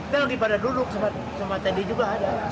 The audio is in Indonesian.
dia lagi pada duduk sempat teddy juga ada